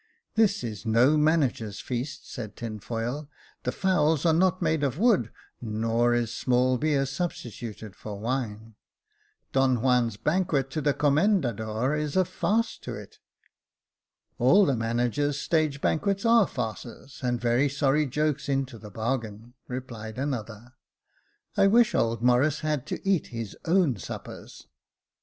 " This is no manager's feast," said Tinfoil ;the fowls are not made of wood, nor is small beer substituted for wine. Don Juan's banquet to the Commendador is a farce to it." ♦' All the manager's stage banquets are farces, and very sorry jokes into the bargain," replied another. " I wish old Morris had to eat his own suppers."